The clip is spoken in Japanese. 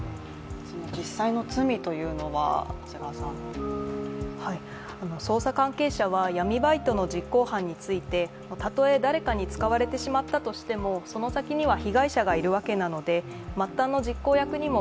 実際の罪というのは捜査関係者は、闇バイトの実行犯についてたとえ誰かに使われてしまったとしてもその先には被害者がいるわけなので、末端の実行役にも